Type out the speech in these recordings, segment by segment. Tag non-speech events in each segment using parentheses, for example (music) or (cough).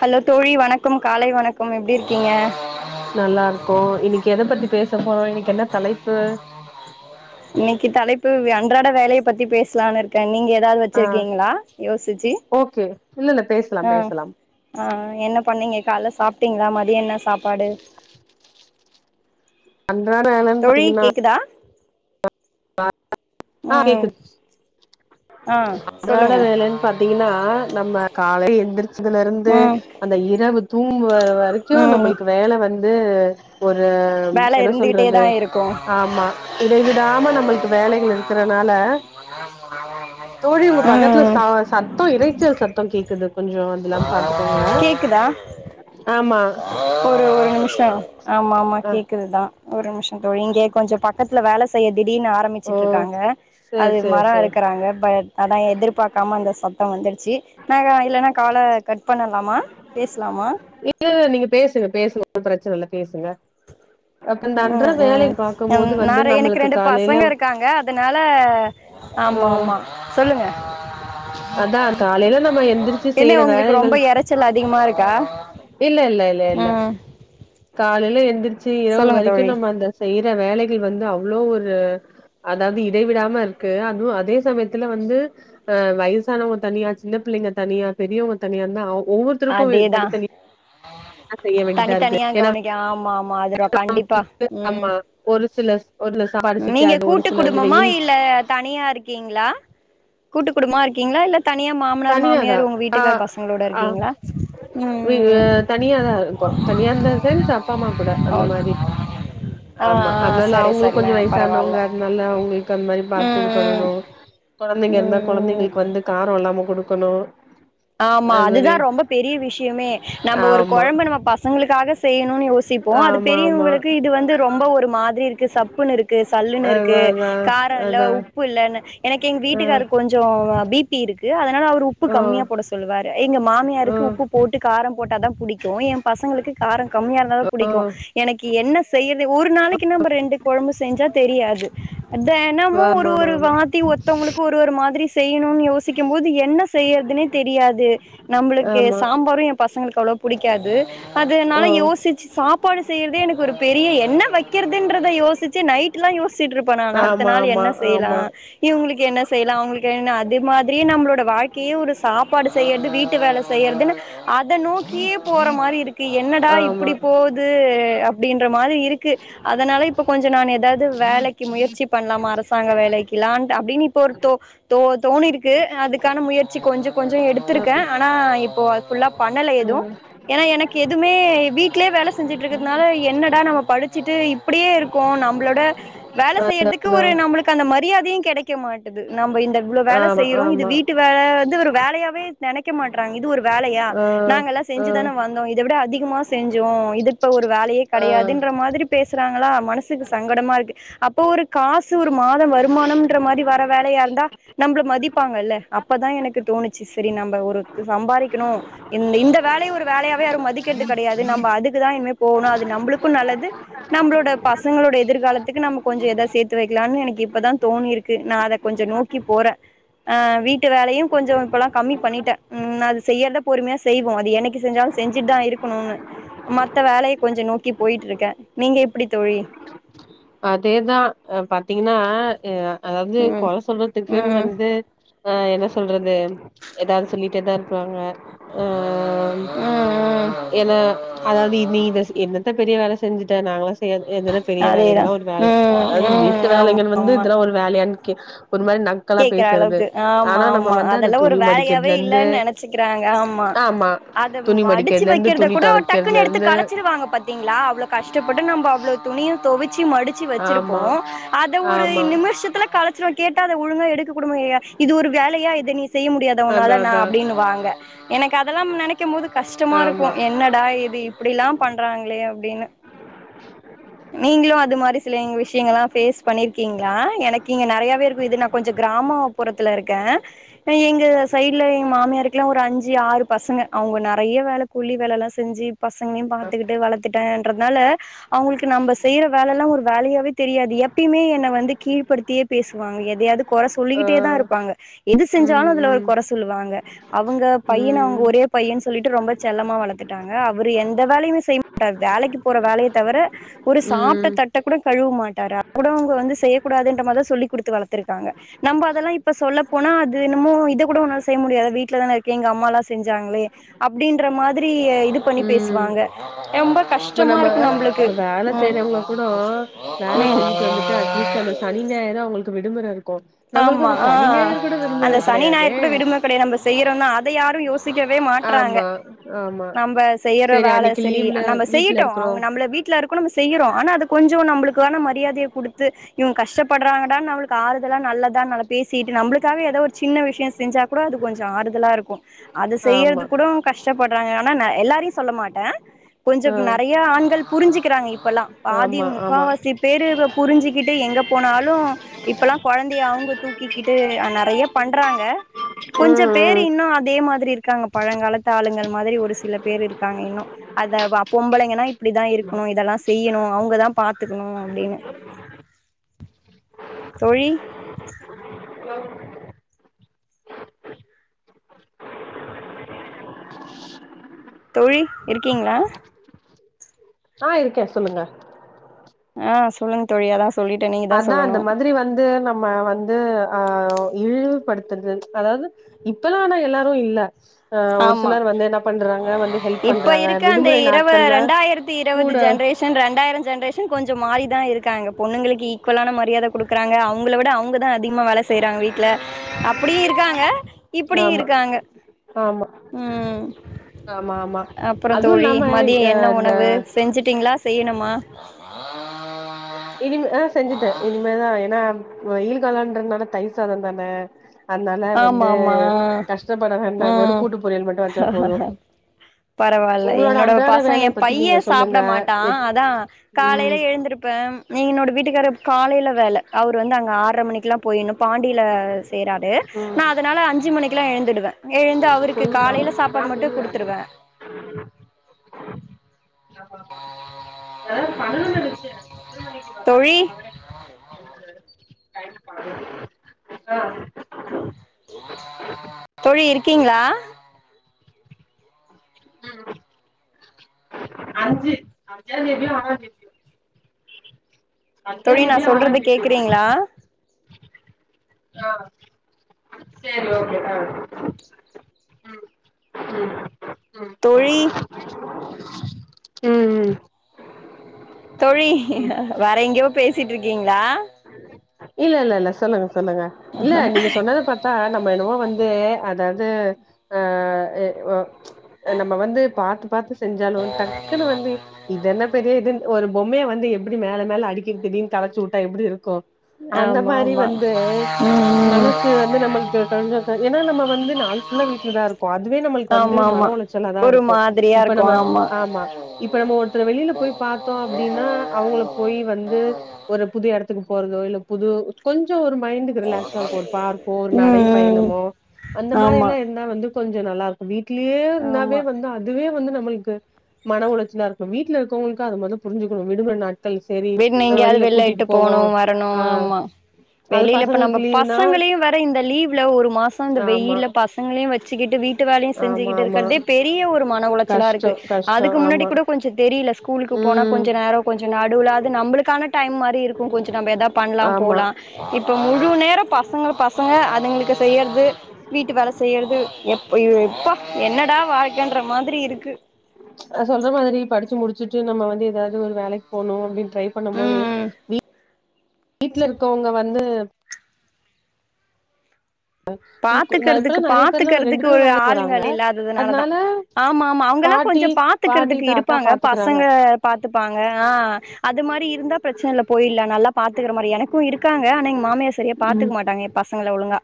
Hello தோழி வணக்கம் காலை வணக்கம் எப்டிருக்கீங்க நல்லாருக்கோ இன்னிக்கு எத பத்தி பேச போறோ இன்னிக்கு என்ன தலைப்பு இன்னக்கி தலைப்பு வே அன்றாட வேலய பத்தி பேசுலானு க நீங்க எதாது ஆ வச்சிருக்கீங்ளா யோசிச்சு ஓகே இல்ல இல்ல பேசலாம் ஆ பேசலாம் ஆ என்ன பண்ணீங்க கால்ல சாப்டீங்ளா மதியம் என்ன சாப்பாடு அன்றாட என்னன்னு தோழி பாத்தீங்கன்னா கேக்குதா ஆ ம் கேக்குது ஆ சொல்லுங்க தின்னா நம்ம கால எந்திரிச் இதுல இருந்து ம் அந்த இரவு ம் தூங்குவரைக்கு வேலை வந்து வந்து ஒரு வேல என்ன இருந்துகிட்டே சொல்றது தா இருக்கு ஆமா இடைவிடாம நம்மளுக்கு வேலைகள் இருக்கறனால தோழி உங்க பக்கத்துல ம் ச சத்தம் இரைச்சல் சத்தம் கேக்குது கொஞ்சோ இதெல்லா பாத்துக்கோங்க கேக்குதா ஆமா ஒரு ஒரு நிமிஷம் ஆமா ஆமா ஆ கேக்குதுதா ஒரு நிமிஷம் தோழி இங்கே கொஞ்சோ பக் கத்துல வேலை செய்ய திடீர்னு ஓ ஆரம்பிச்சிட்டு இருக்காங்க அது சேரி சேரி சேரி மரம் அறுக்குறாங்க பட் அதா எதிர்பாக்காம அந்த சத்தம் வந்துடுச்சு நா இல்லனா கால கட் பண்ணலாமா பேசலாமா இல்ல இல்ல நீங்க பேசுங்க பேசுங்க ஒன்னும் பிரச்சனை இல்ல பேசுங்க அப்ப இந்த அன்றாட ம் ம் வேலைய ம் பாக்கும்போது நா வந்து எனக்கு நம்மளுக்கு ரெண்டு காலையில பசங்க இருக்காங்க அதனால ஆ ஆமா ஆமா சொல்லுங்க அதா காலையில நம்ம எந்திரிச்சி செய்யிற வேலைகள் இரைச்சல் அதிகமா இருக்கா இல்ல இல்ல இல்ல இல்ல ம் காலையில எழுந்திரிச்சி இரவு சொல்லுங்க வரைக்கு தோழி நம்ம அந்த செய்யிற வேலைகள் வந்து அவ்ளோ ஒரு அதாது இடைவிடாம இருக்கு அதுவு அதே சமயத்துல வந்து அ வயசானவங்க தனியா சின்ன பிள்ளைங்க தனியா பெரியவங்க தனியா இருந்தா ஒவ்வொரு தற்கும் அதேதா தனித்தனியாக செய்ய வேண்டியதாயிருக்கு தனித்தனியா கவனிக்க ஆமா ஆமா அது ரா (unintelligible) ஆமா ஒரு சில ஒரு சாப்பாடு நீங்க சிக்காது ஒரு கூட்டு சில வந்து குடும்பமா வெயில் இல்ல தனியா இருக்கீங்களா கூட்டு குடும்பமா இருக்கீங்களா இல்ல தனியா மாமனார் தனியாதா மாமியார் உங்க ஆ வீட்டுக்காரரு பசங்களோட ஆ இருக்கீங்களா வி ம் தனியாதா இருக்கோ தனியா இருந்தா ச அப்பா அம்மா கூட ஓ அந்த மாரி ஆ ஆமா ஆ அதனால சரி அவுங்களும் சரிண்ண கொஞ்சோ பரவால்ல வயசானவங்க அதனால அவுங்களுக்கு அந்த மாரி பாத்து இது ம் பண்ணணு கொழந்தைங்க இருந்தா ம் ம் கொழந்தைங்களுக்கு வந்து கார இல்லாம குடுக்கணு ஆமா அது மாரி அதுதா ரொம்ப பெரிய விஷயமே நம்ம ஒரு ஆமா குழம்பு நம்ம பசங்களுக்காக செய்யணும்னு யோசிப்போ அது ஆமா ஆமா பெரியவங்களுக்கு இது வந்து ரொம்ப ஒரு மாதிரி இருக்கு சப்புன்னு இருக்கு இருக்கு சல்லுன்னு இருக்கு அதா அதா காரோ இல்ல அதா உப்பு இல்லன்னு எனக்கு எங்க ஆ வீட்டுக்காருக்கு கொஞ்ச கொஞ்சோ பிபி இருக்கு அதனால அவர் உப்பு ஓ கம்மியா போட சொல்லுவாரு எங்க ஓ மாமியாருக்கு உப்பு போட்டு கார போட்டாதா பிடிக்கு எ பசங்களுக்கு கார கம்மிய இருந்தா தா ஓ பிடிக்கு எனக்கு என்ன செய்யறது ஒரு நாளைக்கு நம்ம ரெண்டு கொழம்பு செஞ்சா தெரியாது தெனமு ஒரு ஆமா ஒரு ஆமா வாத்தி ஒத்தவங்களுக்கு ஒரு ஒரு மாதிரி செய்யணு யோசிக்கு போது என்ன செய்யறதுன்னே தெரியாது நம்மளுக்கு ஆமா சாம்பாரு எ பசங்களுக்கு அவ்வளோ பிடிக்காது ஆமா அதுனால ஓ யோசிச்சு சாப் சாபோடு செய்றதே எனக்கு ஒரு பெரிய என்ன வைக்கிறதுன்றத யோசிச்சு நைட் நைட்லா யோசிச்சிட்டு இருப்பே ந அடுத்த ஆமா நாள் ஆமா என்ன செய்யலா ஆமா இவங்களுக்கு என்ன செய்யலா அவங்களுக்கு என்ன அது மாதிரியே நம்ளோட வாழ்க்கையே ஒரு சாப் சாப்பாடு செய்றது வீட்டு வேலை செய்யறதுன்னு அத நோக்கியே போற மாரி இருக்கு என்னடா ஆமா இப்டி போது அப்டின்ற மாரி இருக்கு அதனால இப்ப கொஞ்சோ நானு அதாவது வேலைக்கு முயற்சி பண்ணலாம அரசாங்க வேலைக்குலா அப்டின்னு இப்போ ஒரு தோ தோ தோணி இருக்கு அதுக்கான முயற்சி கொஞ்சோ கொஞ்சோ எடுத்திருக்கே ஆனா இப்போ அது ஃபுல்லா பண்ணல எதுவு ம் ஏனா எனக்கு எதுவுமே வீட்லயே வேல செஞ்சுட்டு இருக்கிறதுனால என்னடா நம்ம படிச்சிட்டு இப்டியே இருக்கோ நம்மளோட வேல செய்யறதுக்கு அதா ஒரு நம்மளுக்கு அந்த மரியாதையு கெடைக்க மாட்டுது நம்ம இந்த இவ்ளோ வேல ஆமா செய்றோ இது ஆமா வீட்டு இப்ப வந்து ஒரு வேலையாவே நெனைக்க மாட்டறாங்க இது ஒரு வேலையா ஆ நாங்கல்லா ஆ செஞ்சு தான வந்தோ இத விட அதிகமா செஞ்சோ இது இப்ப ஒரு வேலயே ஆ கெடையாதுன்ற மாதிரி பேசுறாங்களா மனசுக்கு சங்கடமா இருக்கு அப் இப்போ ஒரு காசு ஒரு மாத வருமானம்ன்ற மாரி வர வேலையா இருந்தா நம்மள மதிப்பாங்கல்ல அப்பதா எனக்கு தோணுச் சரி சரி நம்ம ஒரு சம்பாரிக்கணு இந்த வேல ஒரு வேலையாவே யாரு மதிக்கிறது கெடையாது நம்ம அதுக்குதா இனிமே போணு அது நம்மளுக்கு நல்லது நம்மளோட பசங்களோட எதிர்காலத்துக்கு நம்ம கொஞ்ச எதா சேத்து சேத்து வைக்கலானு எனக்கு இப்பதா தோணி இருக்கு நா அத கொஞ்ச நோக்கி போறே அ வீட்டு வேலையு கொஞ்சோ இப்பல்லா கம்மி பண்ணிட்டே ம் அது செய்யறத பொறுமையா செய்வோ அது என்னைக் செஞ்சாலு செஞ்சுட்டு தா இருக்கணுனு மத்த வேலைய கொஞ்சோ நோக்கி போயிட்டு இருக்கே நீங்க எப்டி தோழி அதேதா அ பக் பாத்தீங்கன்னா அ அதாவது ம் கொற சொல்றதுக்குன்னு ம் ம் வந்து அ என்ன சொல்றது ஏதாது சொல்லிட்டே தா இருப்பாங்க அ ம் என்ன அதாது (unintelligible) என்ன என்னத்த பெரிய வேல செஞ்சுட்ட நாங்களா செய்யாதது எதுன பெரிய வேல அதேதா இதெல்லா ஒரு வேலையா ம் ம் அதாது வீட்டு ஆமா வேலைங்க வந்து இதல்லா ஒரு வேலைய க்கு ஒரு மாரி நக் கேக்குற அளவுக்கு ஆமா ஆமா அந்த அதெல்லா ஒரு துணி வேலையாவே மடிக்கிறதுல இருந்து இல்லன்னு நெனைச்சக்றாங்க ஆமா அத துணி மடிச்சு மடிக்கிறதுல இருந்து வைக்றத துணி கூட டக்குன்னு தொவைக்கிறதுல எடுத்து இருந்து களைச்சிருவாங்க பாத் பாத்தீங்களா அவ்ளோ கஷ்டப்பட்டு நம்ப அவ்ள துணிய துவச்சு மடிச்சு மடிச்சு வச்சிருப்போ ஆமா அத ஒரு ஆமா நிமிஷத்துல கலச்சிட கேட் ஒழுங்கா எடுக்க கூட முடியாதா இது ஒரு வேலையா இத நீ செய்ய முடியாத அதா உன்னால நா அதா அப்டின்னு வாங்க எனக்கு அதெல்லா நெனைக்கு போது கஷ்டமா இருக்கு ஆமா என்னடா இது இப்டி ல்லா பண்றாங்க்ளே அப்டின்னு நீங்ளு அது மாரி சிலங் விஷயங்கள்லா பேஸ் பண்ணிருக்கீங்ளா எனக்கு இங்க நறைய இருக் இது நா கொஞ்ச கிராமோப்புறத்துல்ல இருக்க எங்க சைடுல எங்க மாமியருக்கெல்லா ஒரு அஞ்சி ஆறு பசங்க அவங்க நறைய வேல கூலி வேல எல்லா செஞ்ஜிப் பசங்களையு பாத்துட்டு வளத்துட்டேன்றதுனால அவங்ளுக்கு நம்ம செய்யற வேலல்லா ஒரு வேலையாவே தெரியாது எப் எப்பயுமே என்ன வந்து கீழ்படுத்தியே பேசுவாங்க எதையாது குற ஆ சொல்லிக்கிட்டே தா இருப்பாங்க எது ம் செஞ்சாலு அதுல ஒரு ம் குறை சொல்லுவாங்க அவங்க பையன அவங்க ம் ஒரேப் பையன்னு சொல்லிட்டு ரொம்ப செல்லமா வளர்த்துட்டாங்க அவரு எந்த வேலையுமே செய்ய மாட்டாரு வேலைக்கு போற வேலய தவிர ஒரு சாப்ட்ட ம், தட்ட கூட கழுவ மாட்டாரு அத கூட அவங்க வந்து செய்யக்கூடாதுன்ற மா தா சொல்ல குடு த்து வளத்துருக்காங்க நம்ம அதெல்லா இப்ப சொல்ல போனா அது இன்னமோ இத கூட ஒன்னால செய்ய முடியாதா வீட்லதான இருக்க எங்க அம்மாலா செஞ்சாங்ளே அப்டின்ற மாதிரி இது பண்ணி ம். பேசுவாங்க ரொம்ப இப்ப கஷ்டமா நம்ம இருக்கு நம்ளுக்கு இப்ப வேல உம் செய்றவங்கள கூடோ உம் வேலைக்கு செஞ்சுட்டு வந்துட்டு அட்லீஸ்ட் அந்த சனி ஞாயிறோ அவ்ங்களுக்கு விடுமுற இருக்கு நம்ளுக்கு ஆமா அந்த ஆ சனி ஞாயிறு கூட விடுமுற கெடையாதே கைய நம்ப செய்ரோனா அத யாரு யோசி க்கவே மாற்றாங்க ஆமா, ஆமா. நம்ம செய்யற சரி வேல அன்னைக்கு சேரி லீவ்ல நம்ம வீட்ல செய்யட்டோ இருக்குறோ. அவங்க நம்மள வீட் டில இருக்கு நம்ம செய்யறோ ஆனா அது கொஞ்ச நம்ளுக்கான மரியாதைய குடுத்து இவ கஷ்டபடுராங்கடான் நம்ளுக்கு ஆறு அதெல்லா நல்லதா நல்ல பேசிட்டு நம்ளுக்கவே ஏதோ ஒரு சின்ன விஷய செஞ்சா கூட அது கொஞ்ச ஆறுதலா இருக்கு அது ஆமா. செய்யறது கூட கஷ்டப்படுறாங்க ஆனா ந எல்லாரையு சொல்ல மாட்ட கொஞ்ச ஆ நிறைய ஆண்கள் புரிஞ்சுக்கிறாங்க இப்பெல்லா பாதி ஆமா, ஆமா. முக்கவாசிப் பேரு புரிஞ்சிக்கிட்டு எங்க போனாலு இப் குழந்தைய அவங்க தூக்கிக்கிட்டு அ நறைய பண்றாங்க கொஞ்ச ம், பேர் ம். இன்னு அதே மாதிரி இருக்காங்க பழங்காலத்து ஆளுங்கள் மாதிரி ஒரு சில பேர் இருக்காங்க இன்னு அத வ பொம்பளைங்கன்னா இப்டிதா இருக்கணு இதெல்லா செய்யணு அவங்கதா பாத்துக்குணு அப்டின்னு தோழி தோழி இருக்கீங்ளா ஆ இருக்க சொல்லுங்க ஆ சொல்லுங்க தோழி யதாஸ் அதா அந்த மாதிரி வந்து நம்ம வந் து ஆவ் இழிவுபடுத்துறது அதாவது இப்பல்லா ஆனா எல்லாரு இல்ல ஆவ் ஒரு ஆமா சிலர் வந்து என்ன பண்றாங்க வந்து ஹெல்ப் இப்ப பண்றாங்க இருக்க அந்த விடுமுறை இரவு நாட்கள்ல ரெண்டாயிரத்தி இருவது கூட ஜென்ரேஷன் ரெண்டாயிரம் ஜென்ரேஷன் கொஞ்சோ மாறிதா இருக்காங்க பொண்ணுங்களுக்கு ஈக்குவலான மரியாத குடுக்குறாங்க அவங்கள விட அவங்கத் அதிகமா வேல செய்யறாங்க வீட்ல அப்டியு இருக்காங்க இப்படியு ஆமா. இருக்காங்க ஆமா உம் ஆமா ஆமா அப்ரோ அதுவு தோழி இல்லாம அ மதியோ என்ன இந்த உணவு செஞ்சிட்டீங்ளா செய்யணுமா இனிமோ செஞ்சிட்ட இனிமேதா ஏனா வெயில் காலான்றதுனால தயிர்சாதோ தான அதனால ஆமா வந்து ஆமா கஷ்டப்படவேண்டா வெறு கூட்டு பொறல் மட்டு வச்சா போது பரவாயில்ல உங்களோட என்னோட அன்றாட பசய ஏ வேலைய பத்தி பைய நீங்க சாப்ட சொல்லுங்க மாட்டா எப் அதா காலேல ம் எழுந்திருப்ப நீ என்னோட வீட்டுக்கார காலேல வேல அவர் வந்து அங்க ஆற மணிக்கு எல்லா போயிற்ன்னு பாண்டில சேராரு ம் நா அதனால அஞ்சி மணிக் கு எழுந்துடுவ எழுந்து அவருக்கு காலேல சாப்பாடு மட்டு குடுத்துடுவ உம் ஆமா ஆமா எதாது பண்ணுன் நெனச்ச தோழி திரும்ப நீ (inaudible) தோழி இருக்கீங்ளா அ அஞ்சு அஞ்சாந் தேதியோ ஆறாந் தேதியோ தோழி நா அஞ்சாந்தேதியோ சொல்றது ஆறாந்தேதியோ கேக்குறீங்ளா ஆ சேரி ஓகே ஆ ம் ம் தோழி ம் ம் தோழி ம் வேற எங்யோ பேசிட்டு இருக்கீங்ளா இல்லல்ல இல்ல சொல்லுங்க சொல்லுங்க இல்ல நீங்க சொன்னத பா த்தா நம்ம என்னமோ வந்து அதாவது அ எ ஒ நம்ம வந்து பாத்து பாத்து செஞ்சாலு டக்குன்னு வந்து இது என்ன பெரிய இதுன் ஒரு பொம்மையை வந்து எப்டி மேல மேல அடிக்கி திடீனு கலைச்சு விட்டா எப்படி இருக்கு அந்த ஆமா மாரி ஆமா வந்து ம் மனசு வந்து நம்மளுக்கு கொஞ்சோ ஏனா வந்து நாள் ஃபுல்லா ம் வீட்லதா இருக்கு அதுவே நம்மளுக்கு வந்து ஆமா ஆமா மனஒளச்சலாதா ஒரு இருக்கு மாதிரியா இப்ப இருக்கு நம்ம ஆமா இப்ப நம்ம ஒருத்தர வெளில போய் பாத்தோ அப்டின்னா அவுங்கள போய் வந்து ஒரு புது எடத்துக்கு போறதோ இல்ல புது கொஞ்சோ ஒரு மைண்டுக்கு ரிலாக்ஸா இருக்கு ஒரு பார்க்கோ ஒரு நடை ம் ம் பயணமோ அந்த ஆமா மாரில்லா இருந்தா வந்து கொஞ்சோ நல்லா இருக்கு வீட்லயே இருந்தாவே ஆமா வந்து அதுவே வந்து நம்மளுக்கு மன உளைச்சலா இருக்கு வீட்ல இருக்கறவங்களுக்கு அத மொத புரிஞ்சுக்கணு விடுமுறை நா ட்கள் செரி நாம வெளில கூட்டிட்டு போவோ ட்டனு ஆ ஆமா அது வெளில இப்ப நம்ம பசங்களுக்கு லீவுனா பசங்களே வேற இந்த லீவ்ல ஒரு மாசோ இந்த ஆமா வெய்யில பச ங்களயு வெச்சுகிட்டு வீட்டு வேலையு ஆமா செஞ்சுகிட்டு ஆமா இருக்கிறதே பெரிய ஒரு மன உளைச்சலா கஷ்டோ இருக்கு கஷ்டோ அதுக்கு முன்னாடி ஆமா கூட கொஞ்சோ தெரில ஸ்கூலுக்கு போனா ம் கொஞ்சோ நேரோ கொஞ்சோ நடுவுல அது நம்மளுக்கான டைம் மாரி இரு கொஞ்சோ நம்ம எதா பண்லா ஆமா போலா இப்ப முழு நேரோ பசங்க பசங்க அதுங்களுக்கு செய்யறது வீட்டு வேல செய்யறது எப் இப்ப என்னடா வாழ்க்கன்ற மாரி இருக்கு அ சொல்ற மாதிரி படிச்சு முடிச்சுட்டு நம்ம வந்து எதாவது ஒரு வேலைக்கு போணு அப்டின்னு ட்ரை பண்ணும்போது ம் வீட்ல இருக்கவுங்க வந்து ஊக்கு நா பாத்துக்கறதுக்கு இப்பல்லா நெறைய பேர்லா ரெண்டு பாத்துக்கறதுக்கு பேருமே ஒரு வேலைக்கு போறாங்க ஆளுங்கள் இல்லாததுனாலதா அதனால ஆமாமா அவுங்கல்லா கொஞ்சோ பாட்டி பாட்டி பாத்துக்கறதுக்கு தாத்தா இருப்பாங்க பாத்துக்கறாங்க பசங்க பாத்துப்பாங்க ஆ அது மாரி இருந்தா பிரச்சன இல்ல போயிர்லா நல்லா பாத்துக்கற மாரி எனக்கு இருக்காங்க ஆனா எங்க மாமியா சரியா பாத்துக்க ம் மாட்டாங்க பசங்கள ஒழுங்கா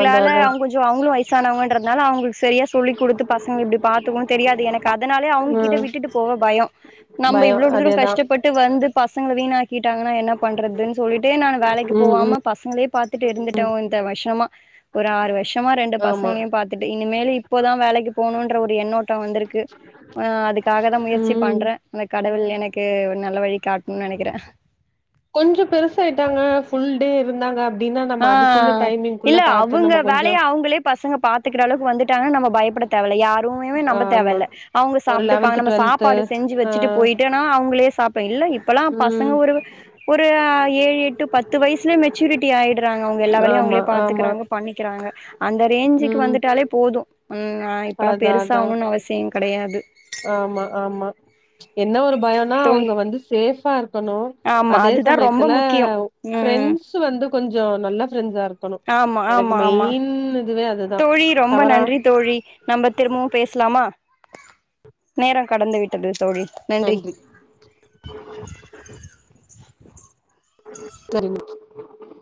அதா அதா அவுங்களு கொஞ்சோ அவுங்ளு வயசானவங்கன்றதுனால அவுங்ளுக்கு சரியா சொல்லி குடுத்து பசங்க இப்டி பாத்துக்கணுனு தெரியாது என க்கு அதனாலயே அவுங்ககிட்ட ம் விட்டுட்டு போக பயோ நம்ம பயோ இவ்ளுடு தூரொ அதேதா கஷ்டப்ப ட்டு வந்து பசங்கள வீணாக்கிட்டாங்கன்னா என்ன பண்றதுன்னு சொல்ட்டு நா வேலைக்கு ம் ம் போவாம பசங்களே பாத்துட்டு இருந்துட்டோ இந்த வருஷமா ஒரு ஆறு வருஷமா ரெண்டு ஆமா பசங்களயு பா துட்டு இனிமேல் இப்பதா வேலைக்கு போணுன்ற ஒரு எண்ணோட்டொ வந்திருக்கு ஆ அதுக்காகதா முயற்சி ம் பண்ற அந்த கடவுள் எனக்கு நல்ல வழி காட்ணுனு நெனைக்கிற கொஞ்சோ பெருசாயிட்டாங்க ஃபுல் டே இருந்தாங்க அப்டின்னா நம்ம ஆ அதுக்குள்ள டைமிங்குள்ள இல்ல பாத்து அவுங்க நம்ம கொஞ்சோ வேலய அவுங்ளே பசங்க பாத்துக்கற அளவுக்கு வந்துட்டாங்கன்னா நம்ம பயப்பட தேவயில்ல யாருமே நம்ப ஆமா தேவல்ல அவுங்க ஒரு சாப்ட்டுப்பாங்க லெவன்த் நம்ம டுவெல்த்து சாப்பாடு செஞ்சு வெச்சுட்டு ஆ போயிட்டு ஆ அவுங்ளே சாப்ப இல்ல இப்பல்லா பசங்க ம் ஒரு ஒரு ஏழு எட்டு பத்து வயசில மெ ச்சுருட்டி ஆய்டு அவுங்க எல்லா வேலையு ஆமா அவுங்களே ஆமா பாத்துக்கிறாங்க பண்ணிக்கிறாங்க அந்த ரேஞ்சுக்கு ம் வந்துட்டாலே போது ம் நா இப்பெல்லா அதா பெருசா அதா ஆவனுன்னு அவசியோ கெடையாது ஆமா ஆமா என்ன ஒரு பயோன்னா தோ அவுங்க வந்து சேஃபா இருக்கனு ஆமா அதே அதுதா ரொம்ப சமயத்துல முக்கியோ ம் ஃப்ரெண்ட்ஸ் வந்து கொஞ்சோ நல்ல ஃப்ரெண்ட்ஸா இருக் ஆமா ஆமா ஆமா அதுதா தோழி ரொம்ப தவறா நன்றி தோழி நம்ம திரும்பவு பேசலாமா நேரொ கடந்து விட்டது தோழி நன்றி சரிங்க